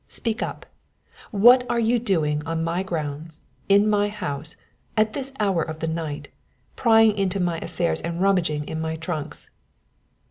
Speak up! What are you doing on my grounds, in my house, at this hour of the night, prying into my affairs and rummaging in my trunks?"